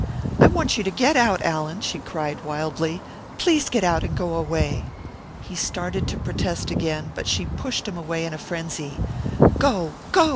"I want you to get out, Allan!" she cried wildly. "Please get out, and go away." He started to protest again; but she pushed him away in frenzy. "Go, go!"